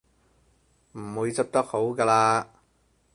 唔會執得好嘅喇